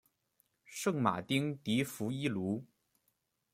圣马丁迪富伊卢。